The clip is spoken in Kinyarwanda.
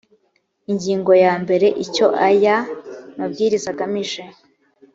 ingingo ya mbere icyo aya mabwiriza agamije